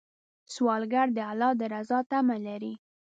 سوالګر د الله د رضا تمه لري